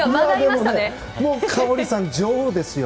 花織さん、女王ですよ。